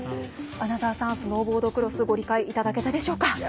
穴澤さん、スノーボードクロスご理解いただけたでしょうか？